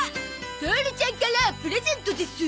トオルちゃんからプレゼントです。